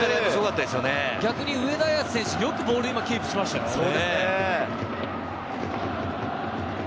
逆に上田綺世、今よくボールをキープしましたね。